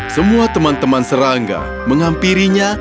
semua teman teman serangga menghampirinya